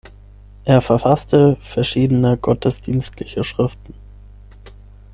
Er verfasste verschiedene gottesdienstliche Schriften.